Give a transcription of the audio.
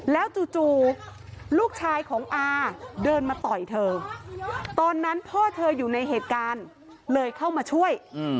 แล้วจู่ลูกชายของอาเดินมาต่อยเธอตอนนั้นพ่อเธออยู่ในเหตุการณ์เลยเข้ามาช่วย